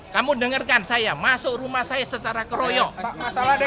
kamu dengarkan saya masuk rumah saya secara keroyok pak